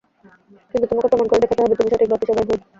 কিন্তু তোমাকে প্রমাণ করে দেখাতে হবে তুমি সঠিক, বাকি সবাই ভুল।